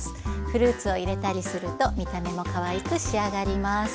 フルーツを入れたりすると見た目もかわいく仕上がります。